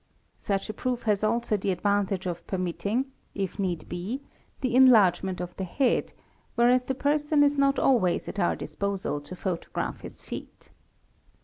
Such a proof has also the _ advantage of permitting, if need be, the enlargement of the head, whereas the person is not always at our disposal to photograph his feet.